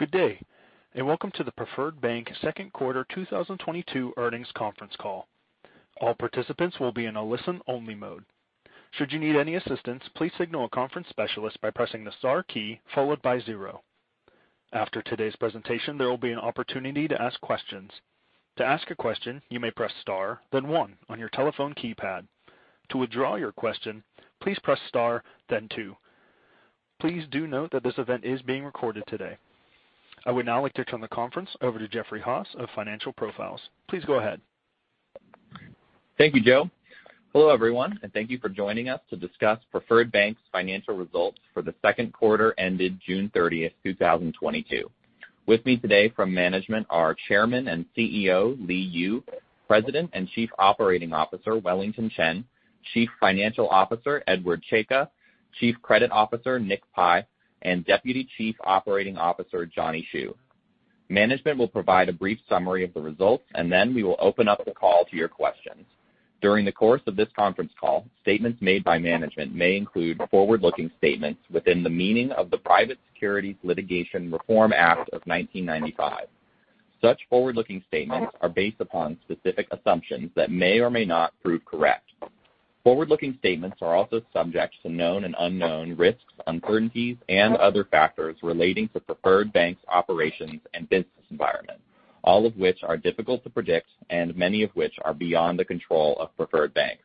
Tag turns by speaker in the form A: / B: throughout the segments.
A: Good day, and welcome to the Preferred Bank second quarter 2022 earnings conference call. All participants will be in a listen-only mode. Should you need any assistance, please signal a conference specialist by pressing the star key followed by zero. After today's presentation, there will be an opportunity to ask questions. To ask a question, you may press star, then one on your telephone keypad. To withdraw your question, please press star then two. Please do note that this event is being recorded today. I would now like to turn the conference over to Jeffrey Haas of Financial Profiles. Please go ahead.
B: Thank you, Joe. Hello, everyone, and thank you for joining us to discuss Preferred Bank's financial results for the second quarter ended June 30th, 2022. With me today from management are Chairman and CEO Li Yu, President and Chief Operating Officer Wellington Chen, Chief Financial Officer Edward Czajka, Chief Credit Officer Nick Pi, and Deputy Chief Operating Officer Johnny Hsu. Management will provide a brief summary of the results, and then we will open up the call to your questions. During the course of this conference call, statements made by management may include forward-looking statements within the meaning of the Private Securities Litigation Reform Act of 1995. Such forward-looking statements are based upon specific assumptions that may or may not prove correct. Forward-looking statements are also subject to known and unknown risks, uncertainties and other factors relating to Preferred Bank's operations and business environment, all of which are difficult to predict and many of which are beyond the control of Preferred Bank.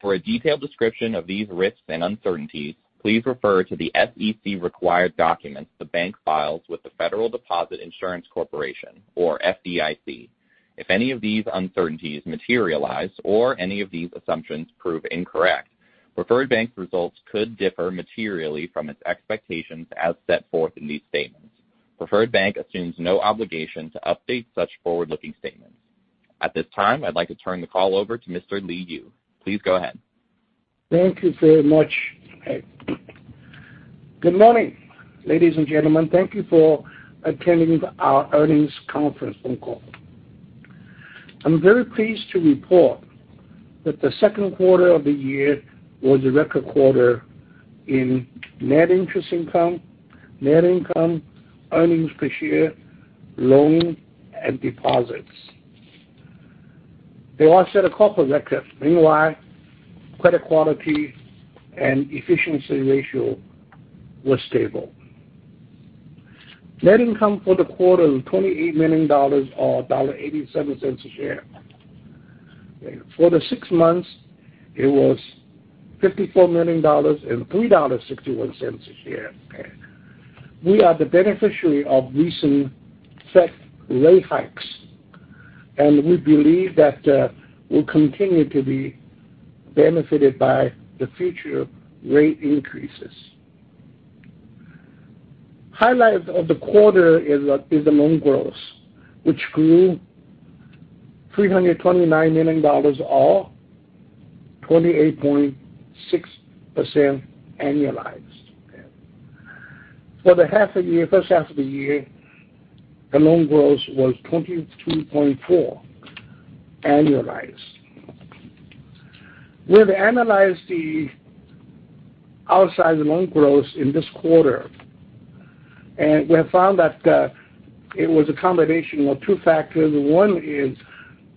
B: For a detailed description of these risks and uncertainties, please refer to the SEC required documents the bank files with the Federal Deposit Insurance Corporation or FDIC. If any of these uncertainties materialize or any of these assumptions prove incorrect, Preferred Bank's results could differ materially from its expectations as set forth in these statements. Preferred Bank assumes no obligation to update such forward-looking statements. At this time, I'd like to turn the call over to Mr. Li Yu. Please go ahead.
C: Thank you very much. Good morning, ladies and gentlemen. Thank you for attending our earnings conference phone call. I'm very pleased to report that the second quarter of the year was a record quarter in net interest income, net income, earnings per share, loan, and deposits. They all set a corporate record. Meanwhile, credit quality and efficiency ratio were stable. Net income for the quarter was $28 million or $0.87 a share. For the six months, it was $54 million and $3.61 a share. We are the beneficiary of recent Fed rate hikes, and we believe that we'll continue to be benefited by the future rate increases. Highlight of the quarter is the loan growth, which grew $329 million or 28.6% annualized. For the first half of the year, the loan growth was 22.4% annualized. We have analyzed the outsized loan growth in this quarter, and we have found that it was a combination of two factors. One is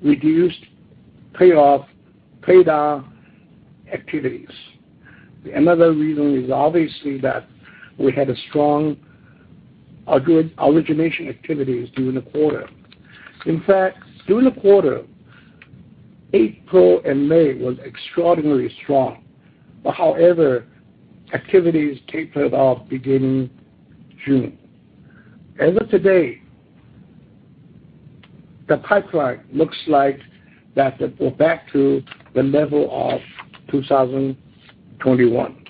C: reduced payoff, paid down activities. Another reason is obviously that we had a strong or good origination activities during the quarter. In fact, during the quarter, April and May was extraordinarily strong. But however, activities tapered off beginning June. As of today, the pipeline looks like that we're back to the level of 2021.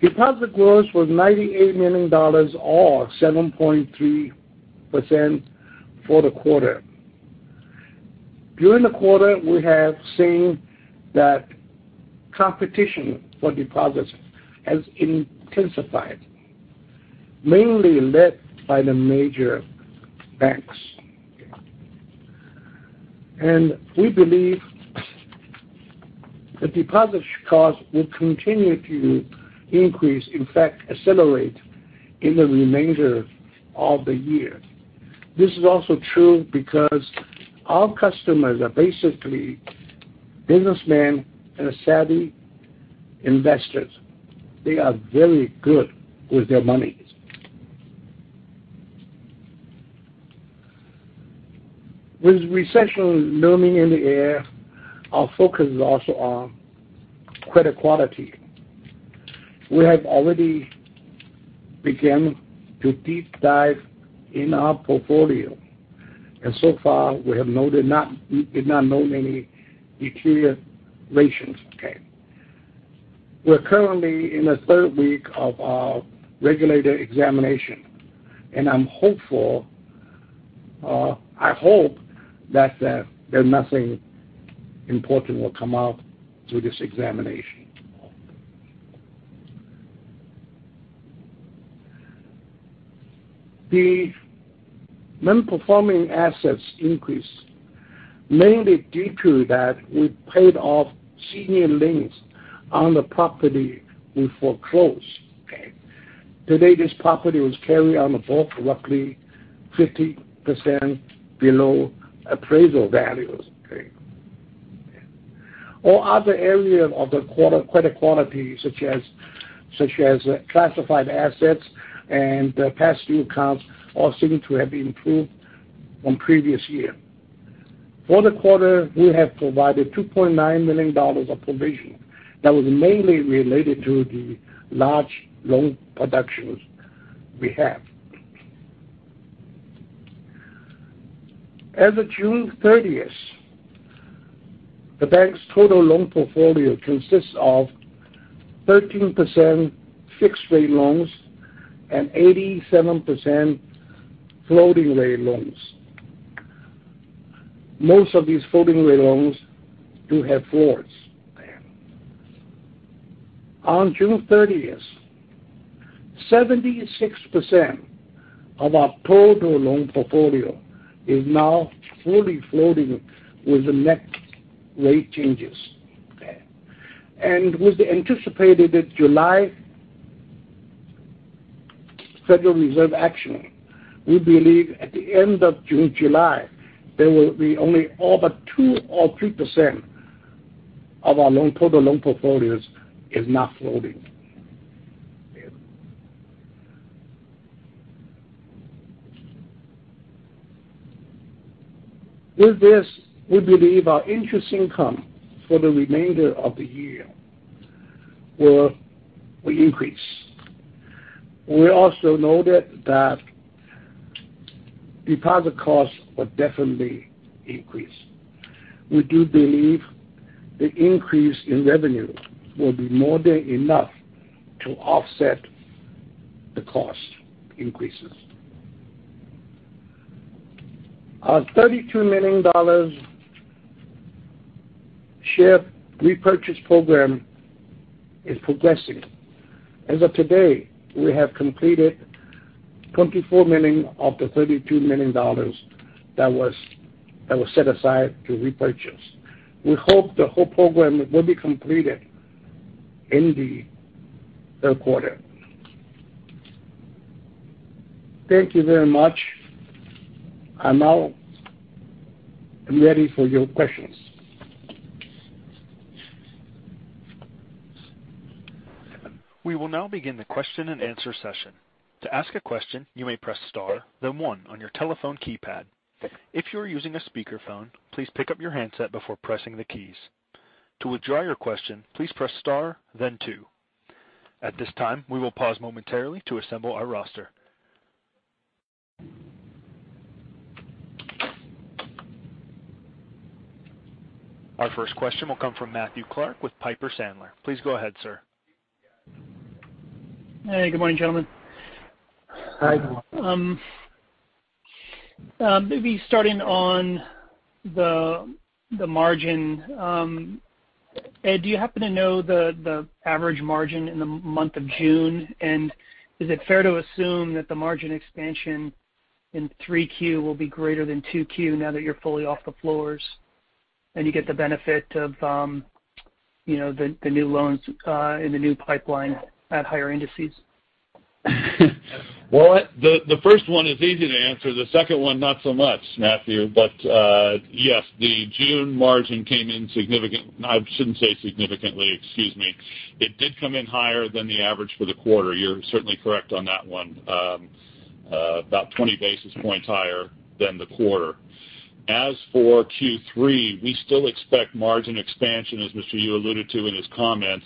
C: Deposit growth was $98 million or 7.3% for the quarter. During the quarter, we have seen that competition for deposits has intensified, mainly led by the major banks. We believe the deposit cost will continue to increase, in fact, accelerate in the remainder of the year. This is also true because our customers are basically businessmen and savvy investors. They are very good with their money. With recession looming in the air, our focus is also on credit quality. We have already began to deep dive in our portfolio, and so far we did not note any deteriorations. We're currently in the third week of our regulatory examination, and I'm hopeful, I hope that, there's nothing important will come out through this examination. The nonperforming assets increase mainly due to that we paid off senior liens on the property we foreclosed. Today, this property was carried on the book roughly 50% below appraisal values. Okay. All other areas of the quarter, credit quality, such as classified assets and past due accounts all seem to have improved from previous year. For the quarter, we have provided $2.9 million of provision that was mainly related to the large loan productions we have. As of June 30th, the bank's total loan portfolio consists of 13% fixed-rate loans and 87% floating-rate loans. Most of these floating-rate loans do have floors. On June 30th, 76% of our total loan portfolio is now fully floating with the next rate changes. Okay. With the anticipated July Federal Reserve action, we believe at the end of June, July, there will be only over 2% or 3% of our total loan portfolio is not floating. With this, we believe our interest income for the remainder of the year will increase. We also noted that deposit costs will definitely increase. We do believe the increase in revenue will be more than enough to offset the cost increases. Our $32 million share repurchase program is progressing. As of today, we have completed $24 million of the $32 million that was set aside to repurchase. We hope the whole program will be completed in the third quarter. Thank you very much. I'm ready for your questions.
A: We will now begin the question-and-answer session. To ask a question, you may press star, then one on your telephone keypad. If you are using a speakerphone, please pick up your handset before pressing the keys. To withdraw your question, please press star, then two. At this time, we will pause momentarily to assemble our roster. Our first question will come from Matthew Clark with Piper Sandler. Please go ahead, sir.
D: Hey, good morning, gentlemen.
C: Hi.
D: Maybe starting on the margin. Ed, do you happen to know the average margin in the month of June? Is it fair to assume that the margin expansion in 3Q will be greater than 2Q now that you're fully off the floors and you get the benefit of you know, the new loans in the new pipeline at higher indices?
E: Well, the first one is easy to answer, the second one, not so much, Matthew. Yes, the June margin came in higher than the average for the quarter. You're certainly correct on that one, about 20 basis points higher than the quarter. As for Q3, we still expect margin expansion, as Mr. Yu alluded to in his comments.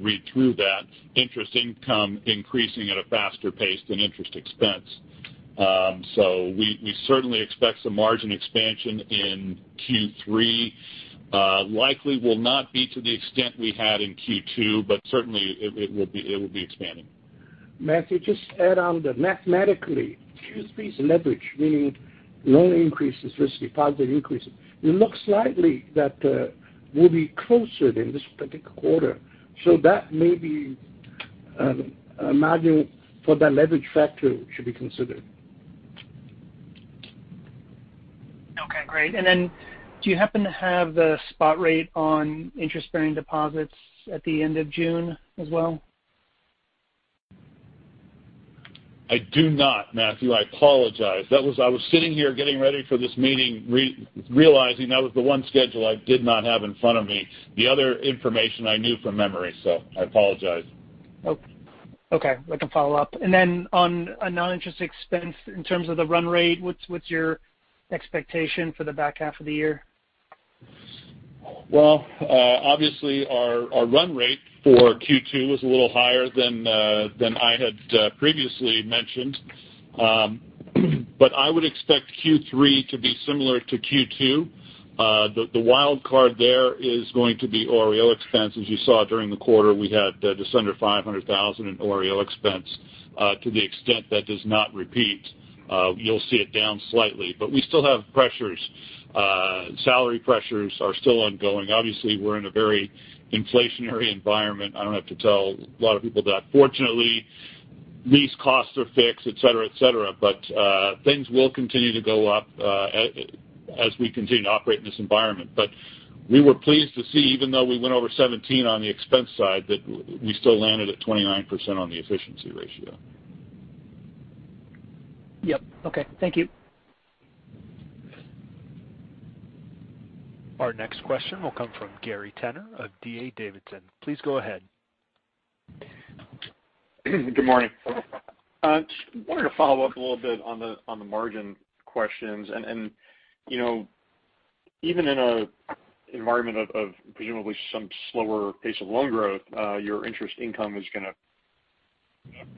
E: Read through that, interest income increasing at a faster pace than interest expense. We certainly expect some margin expansion in Q3. Likely will not be to the extent we had in Q2, but certainly it will be expanding.
C: Matthew, just add on that mathematically, Q3's leverage, meaning loan increases versus deposit increases, it looks likely that we'll be closer than this particular quarter. That may be a margin for that leverage factor should be considered.
D: Okay, great. Do you happen to have the spot rate on interest-bearing deposits at the end of June as well?
E: I do not, Matthew. I apologize. I was sitting here getting ready for this meeting, realizing that was the one schedule I did not have in front of me. The other information I knew from memory, so I apologize.
D: Oh, okay. I can follow up. On a non-interest expense in terms of the run rate, what's your expectation for the back half of the year?
E: Well, obviously, our run rate for Q2 was a little higher than I had previously mentioned. I would expect Q3 to be similar to Q2. The wild card there is going to be OREO expense. As you saw during the quarter, we had just under $500,000 in OREO expense. To the extent that does not repeat, you'll see it down slightly. We still have pressures. Salary pressures are still ongoing. Obviously, we're in a very inflationary environment. I don't have to tell a lot of people that. These costs are fixed, et cetera, et cetera. Things will continue to go up as we continue to operate in this environment. We were pleased to see even though we went over 17 on the expense side, that we still landed at 29% on the efficiency ratio.
D: Yep. Okay. Thank you.
A: Our next question will come from Gary Tenner of D.A. Davidson. Please go ahead.
F: Good morning. Just wanted to follow up a little bit on the margin questions. You know, even in an environment of presumably some slower pace of loan growth, your interest income is gonna,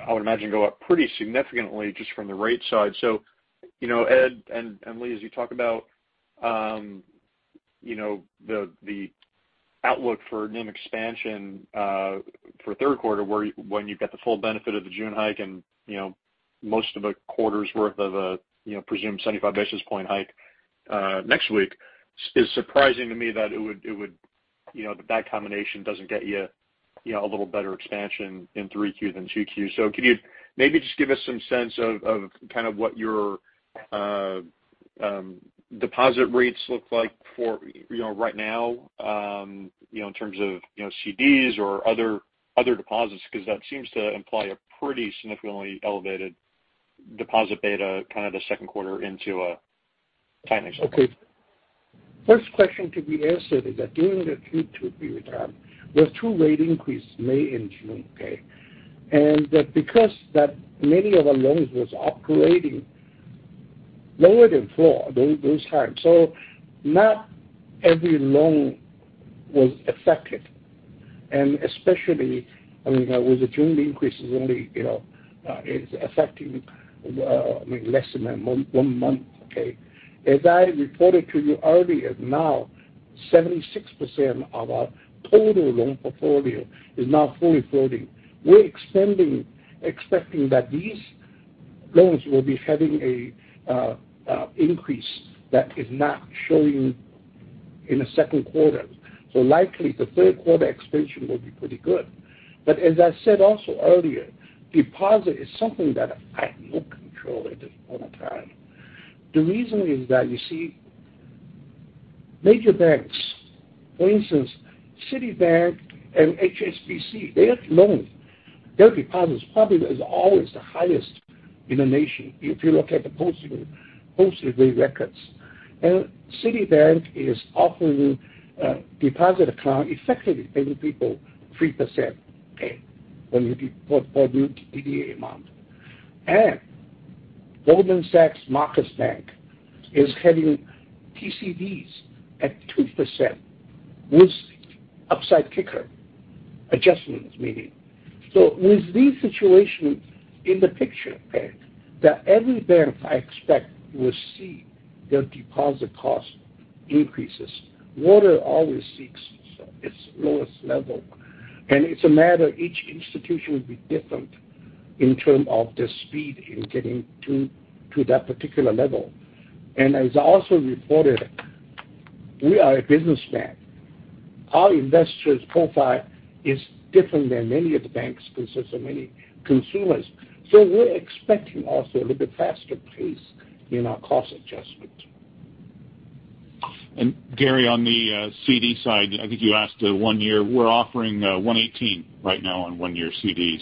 F: I would imagine, go up pretty significantly just from the rate side. You know, Edward and Li, as you talk about you know, the outlook for NIM expansion for third quarter where when you get the full benefit of the June hike and, you know, most of a quarter's worth of a, you know, presumed 75 basis point hike next week, it's surprising to me that it would, you know, that combination doesn't get you know, a little better expansion in 3Q than 2Q. Can you maybe just give us some sense of kind of what your deposit rates look like for, you know, right now, you know, in terms of, you know, CDs or other deposits? Because that seems to imply a pretty significantly elevated deposit beta kind of in the second quarter into tightening.
C: Okay. First question can be answered is that during the Q2 period time, there were two rate increases, May and June. Okay? That because many of the loans was operating lower than floor during those times, so not every loan was affected. Especially, I mean, with the June increases only, you know, is affecting, I mean, less than one month. Okay? As I reported to you earlier, now 76% of our total loan portfolio is now fully floating. We're expecting that these loans will be having a increase that is not showing in the second quarter. Likely the third quarter expansion will be pretty good. As I said also earlier, deposit is something that I have no control at this point in time. The reason is that you see major banks, for instance, Citibank and HSBC, their loans, their deposits probably is always the highest in the nation if you look at the posting, posted rate records. Citibank is offering a deposit account effectively paying people 3%, okay, when you deposit DDA amount. Marcus by Goldman Sachs is having TCDs at 2% with upside kicker adjustments meeting. With these situations in the picture, okay, that every bank, I expect, will see their deposit cost increases. Water always seeks its lowest level, and it's a matter each institution will be different in term of the speed in getting to that particular level. As I also reported, we are a business bank. Our investors profile is different than many of the banks consists of many consumers. We're expecting also a little bit faster pace in our cost adjustment.
E: Gary, on the CD side, I think you asked one-year, we're offering 1.18% right now on one-year CDs.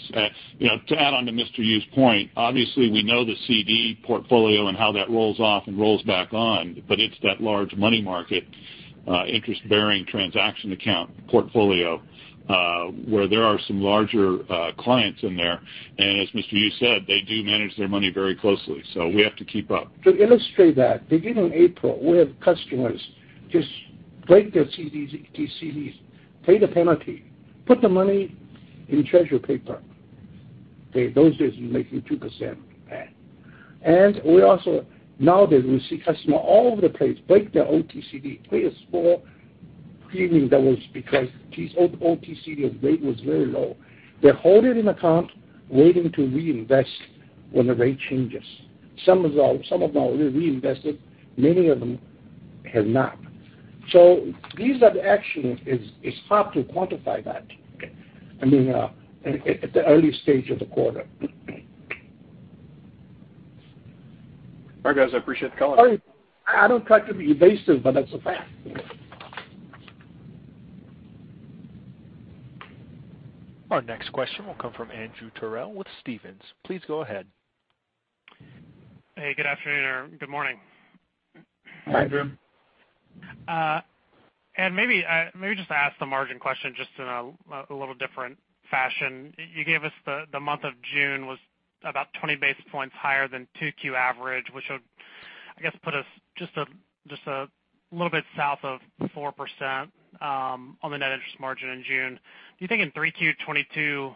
E: You know, to add on to Mr. Yu's point, obviously we know the CD portfolio and how that rolls off and rolls back on, but it's that large money market interest-bearing transaction account portfolio where there are some larger clients in there. As Mr. Yu said, they do manage their money very closely, so we have to keep up.
C: To illustrate that, beginning April, we have customers just break their CDs, TCDs, pay the penalty, put the money in treasury paper. Okay, those is making 2%. We also nowadays we see customer all over the place break their OTCD, pay a small premium that was because these OTCD rate was very low. They hold it in account waiting to reinvest when the rate changes. Some of them already reinvested, many of them have not. These are the action is hard to quantify that, I mean, at the early stage of the quarter.
F: All right, guys, I appreciate the call.
C: I don't try to be evasive, but that's a fact.
A: Our next question will come from Andrew Terrell with Stephens. Please go ahead.
G: Hey, good afternoon or good morning.
C: Hi, Andrew.
G: Maybe just ask the margin question just in a little different fashion. You gave us the month of June was about 20 basis points higher than 2Q average, which would, I guess, put us just a little bit south of 4%, on the net interest margin in June. Do you think in 3Q 2022,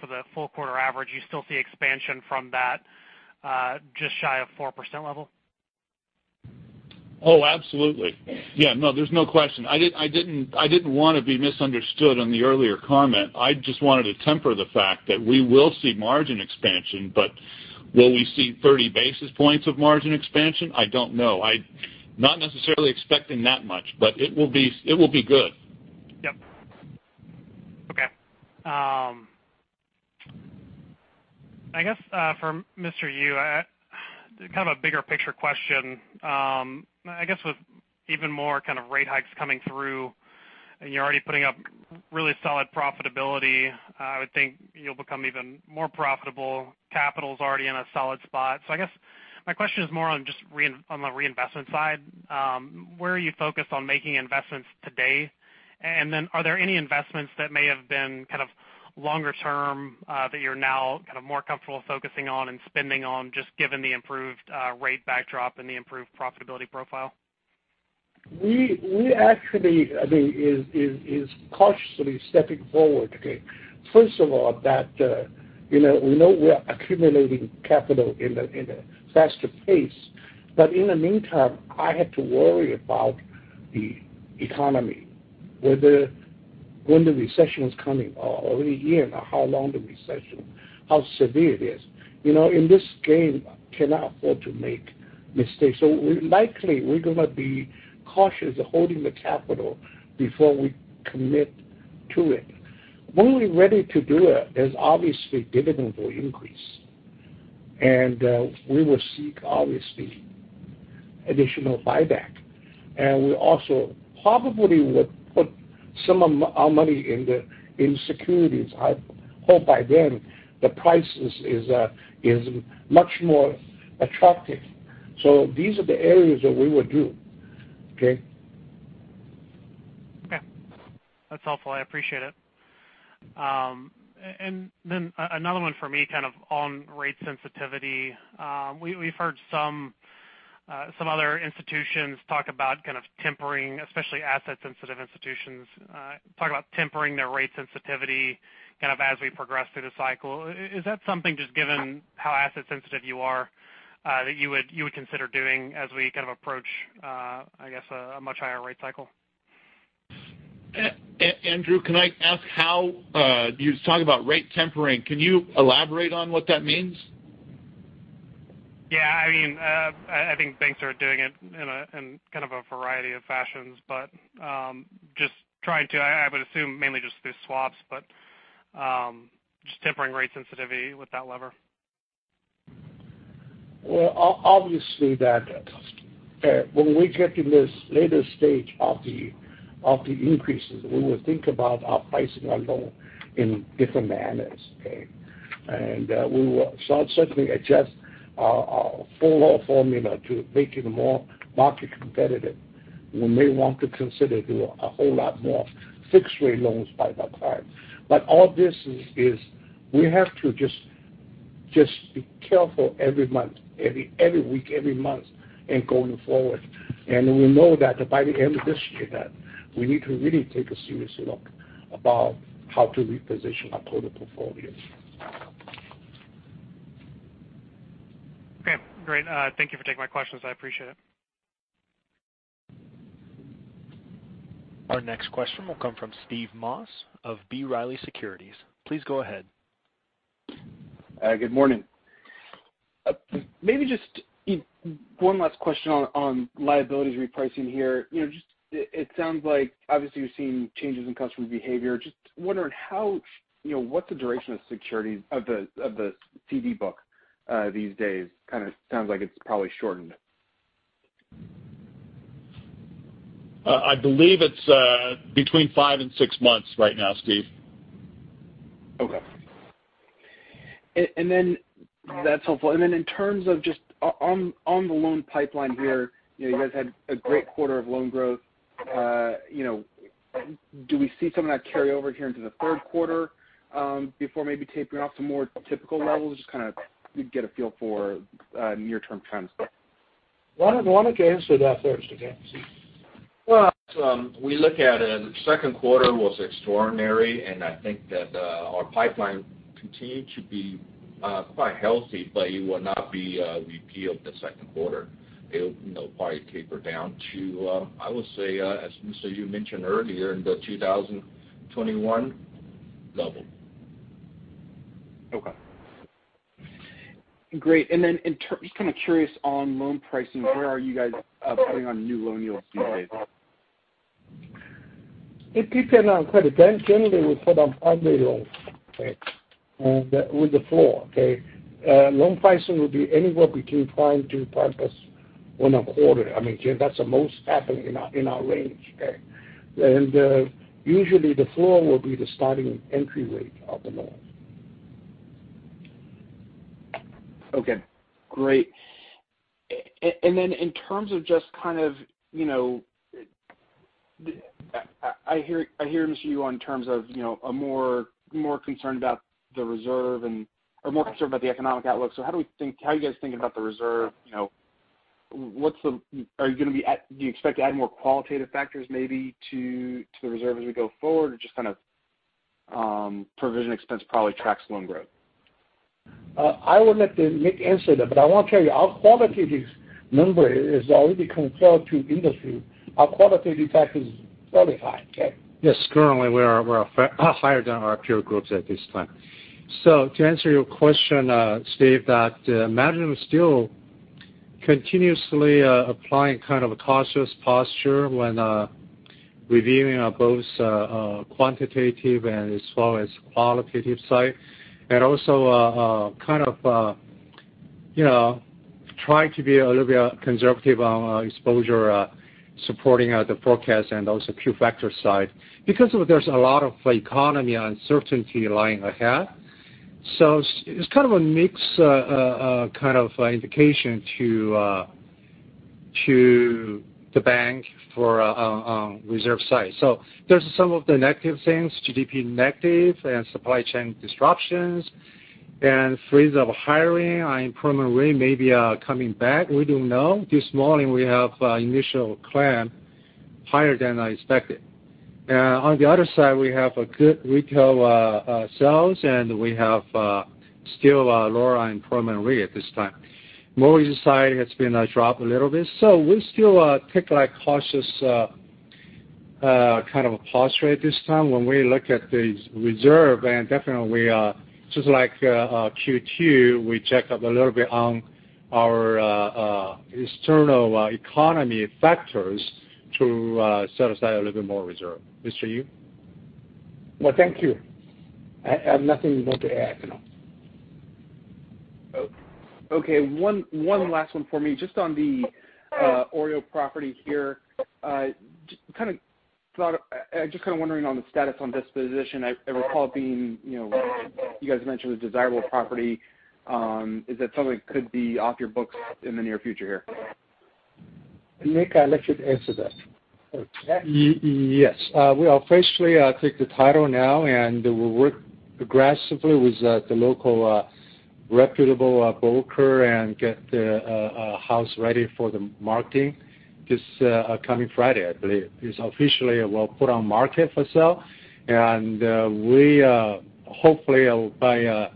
G: for the full quarter average, you still see expansion from that just shy of 4% level?
E: Oh, absolutely. Yeah, no, there's no question. I didn't wanna be misunderstood on the earlier comment. I just wanted to temper the fact that we will see margin expansion, but will we see 30 basis points of margin expansion? I don't know. I'm not necessarily expecting that much, but it will be good.
G: I guess, for Mr. Yu, kind of a bigger picture question. I guess with even more kind of rate hikes coming through, and you're already putting up really solid profitability, I would think you'll become even more profitable. Capital's already in a solid spot. I guess my question is more on just on the reinvestment side. Where are you focused on making investments today? And then are there any investments that may have been kind of longer term, that you're now kind of more comfortable focusing on and spending on just given the improved, rate backdrop and the improved profitability profile?
C: We actually, I think is cautiously stepping forward, okay? First of all, you know, we know we are accumulating capital in a faster pace. In the meantime, I have to worry about the economy, whether when the recession is coming or a year and how long the recession, how severe it is. You know, in this game cannot afford to make mistakes. Likely we're gonna be cautious holding the capital before we commit to it. When we're ready to do it, there's obviously dividend will increase. We will seek obviously additional buyback. We also probably would put some of our money in securities. I hope by then the price is much more attractive. These are the areas that we would do. Okay?
G: Okay. That's helpful. I appreciate it. Another one for me kind of on rate sensitivity. We've heard some other institutions talk about kind of tempering, especially asset sensitive institutions, talk about tempering their rate sensitivity kind of as we progress through the cycle. Is that something just given how asset sensitive you are, that you would consider doing as we kind of approach, I guess, a much higher rate cycle?
E: Andrew, can I ask how you talk about rate tempering, can you elaborate on what that means?
G: Yeah. I mean, I think banks are doing it in kind of a variety of fashions, but I would assume mainly just through swaps. Just tempering rate sensitivity with that lever.
C: Obviously, when we get in this later stage of the increases, we will think about our pricing of our loans in different manners. Okay. We will certainly adjust our funding formula to make it more market competitive. We may want to consider doing a whole lot more fixed rate loans by that time. All this is we have to just be careful every week, every month going forward. We know that by the end of this year that we need to really take a serious look at how to reposition our total portfolios.
G: Okay, great. Thank you for taking my questions. I appreciate it.
A: Our next question will come from Steve Moss of B. Riley Securities. Please go ahead.
H: Good morning. Maybe just one last question on liabilities repricing here. You know, just it sounds like obviously you're seeing changes in customer behavior. Just wondering how, you know, what the duration of securities of the CD book these days kind of sounds like it's probably shortened.
E: I believe it's between five and six months right now, Steve.
H: Okay. That's helpful. In terms of just on the loan pipeline here, you know, you guys had a great quarter of loan growth. You know, do we see some of that carry over here into the third quarter before maybe tapering off to more typical levels? Just kind of get a feel for near-term trends there.
C: Why don't Chen answer that first, okay?
I: We look at it. Second quarter was extraordinary, and I think that our pipeline continued to be quite healthy, but it will not be repeat of the second quarter. It'll, you know, probably taper down to, I would say, as Mr. Yu mentioned earlier, in the 2021 level.
H: Okay. Great. Just kind of curious on loan pricing, where are you guys putting on new loan yields these days?
C: It depends on credit. Generally, we put on all new loans. Okay? With the floor, okay? Loan pricing will be anywhere between 5%-5% plus one quarter. I mean, that's the most happening in our range. Okay? Usually the floor will be the starting entry rate of the loan.
H: Okay, great. Then in terms of just kind of, you know, I hear Mr. Yu in terms of, you know, more concerned about the reserve or more concerned about the economic outlook. How are you guys thinking about the reserve? You know, do you expect to add more qualitative factors maybe to the reserve as we go forward or just kind of, provision expense probably tracks loan growth?
C: I will let Nick answer that, but I want to tell you our qualitative number is already compared to industry. Our qualitative factor is very high. Okay?
J: Yes. Currently, we're far higher than our peer groups at this time. To answer your question, Steve, that management is still. Continuously applying kind of a cautious posture when reviewing both quantitative and as well as qualitative side. Kind of, you know, trying to be a little bit conservative on exposure supporting the forecast and also q-factor side because there's a lot of economic uncertainty lying ahead. It's kind of a mix kind of indication to the bank for reserve side. There's some of the negative things, GDP negative and supply chain disruptions and freeze of hiring and unemployment rate may be coming back. We don't know. This morning, we have initial claims higher than expected. On the other side, we have a good retail sales, and we have still lower unemployment rate at this time. Mortgage side has been dropped a little bit. We still take a cautious kind of approach, right, this time when we look at the reserve and definitely, just like Q2, we jacked up a little bit on our external economic factors to set aside a little bit more reserve. Mr. Yu?
C: Well, thank you. I have nothing more to add, you know.
H: Okay. One last one for me. Just on the OREO property here. Just kind of wondering on the status on disposition. I recall it being, you know, you guys mentioned the desirable property. Is that something could be off your books in the near future here?
C: Nick, I'll let you answer that.
J: Yes. We officially take the title now, and we work aggressively with the local reputable broker and get the house ready for the marketing this coming Friday, I believe. It's official. We'll put it on the market for sale. We hopefully by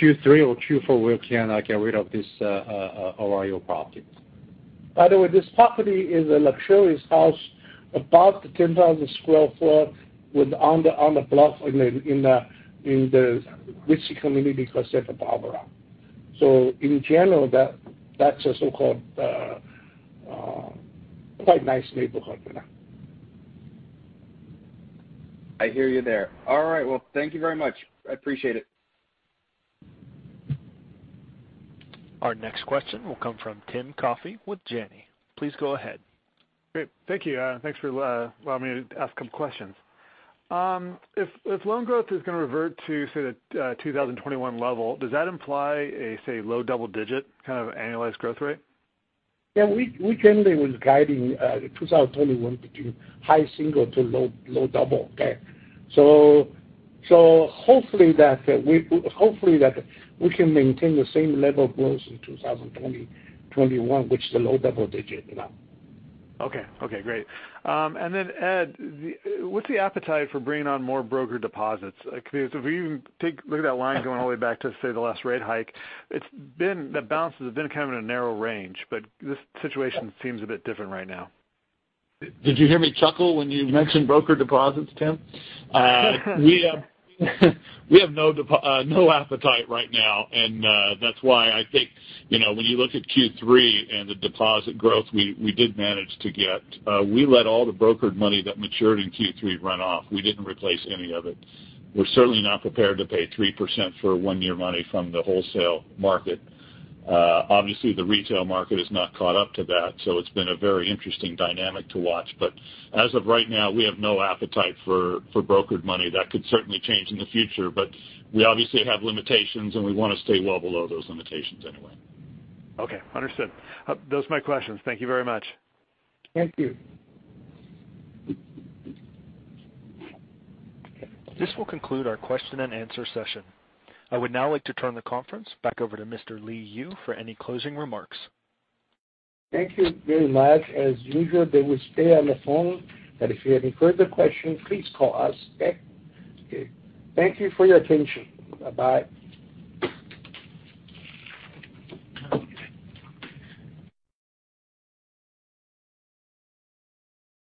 J: Q3 or Q4 can get rid of this OREO property.
C: By the way, this property is a luxurious house, about 10,000 sq ft, on the block in the rich community called Santa Barbara. In general, that's a so-called quite nice neighborhood.
H: I hear you there. All right. Well, thank you very much. I appreciate it.
A: Our next question will come from Tim Coffey with Janney. Please go ahead.
K: Great. Thank you. Thanks for allowing me to ask some questions. If loan growth is gonna revert to, say, the 2021 level, does that imply a, say, low double digit kind of annualized growth rate?
C: Yeah, we generally was guiding 2021 between high single-digit to low double-digit. Okay. Hopefully that we can maintain the same level of growth in 2020, 2021, which is a low double-digit now.
K: Okay, great. Then, Ed, what's the appetite for bringing on more brokered deposits? Like, if we even look at that line going all the way back to, say, the last rate hike, it's been the bounces have been kind of in a narrow range. This situation seems a bit different right now.
E: Did you hear me chuckle when you mentioned brokered deposits, Tim? We have no appetite right now. That's why I think, you know, when you look at Q3 and the deposit growth we did manage to get, we let all the brokered money that matured in Q3 run off. We didn't replace any of it. We're certainly not prepared to pay 3% for one year money from the wholesale market. Obviously, the retail market has not caught up to that, so it's been a very interesting dynamic to watch. As of right now, we have no appetite for brokered money. That could certainly change in the future, but we obviously have limitations, and we wanna stay well below those limitations anyway.
K: Okay, understood. Those are my questions. Thank you very much.
C: Thank you.
A: This will conclude our question and answer session. I would now like to turn the conference back over to Mr. Li Yu for any closing remarks.
C: Thank you very much. As usual, they will stay on the phone, and if you have any further questions, please call us. Okay? Thank you for your attention. Bye-bye.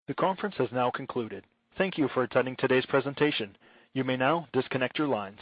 A: The conference has now concluded. Thank you for attending today's presentation. You may now disconnect your lines.